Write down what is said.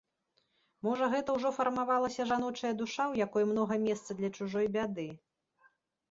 Можа гэта ўжо фармавалася жаночая душа, у якой многа месца для чужой бяды.